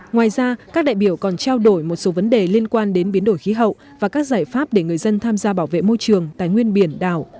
ngoài ra các đại biểu còn trao đổi một số vấn đề liên quan đến biến đổi khí hậu và các giải pháp để người dân tham gia bảo vệ môi trường tài nguyên biển đảo